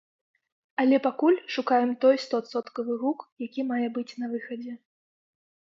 Але пакуль шукаем той стоадсоткавы гук, які мае быць на выхадзе.